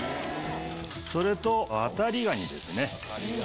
それとワタリガニですね。